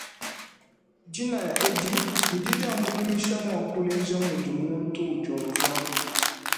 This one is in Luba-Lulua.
Dinaya edi didi diambuluisha muakuleja mudi muntu udiumva.